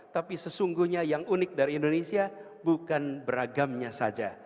tapi sesungguhnya yang unik dari indonesia bukan beragamnya saja